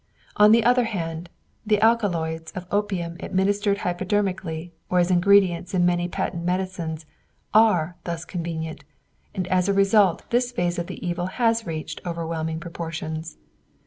On the other hand, the alkaloids of opium administered hypodermically or as ingredients in many patent medicines are thus convenient, and as a result this phase of the evil has reached overwhelming proportions.